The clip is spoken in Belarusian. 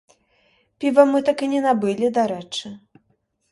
Піва мы так і не набылі, дарэчы.